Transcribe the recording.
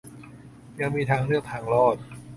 ยังมีทางเลือกทางรอด